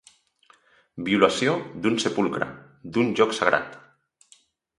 Violació d'un sepulcre, d'un lloc sagrat.